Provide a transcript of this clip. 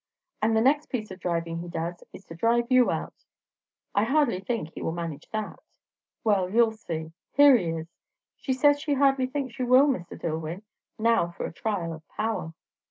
"And the next piece of driving he does, is to drive you out." "I hardly think he will manage that." "Well, you'll see. Here he is. She says she hardly thinks you will, Mr. Dillwyn. Now for a trial of power!"